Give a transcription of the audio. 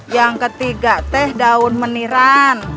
yang ketiga teh daun meniran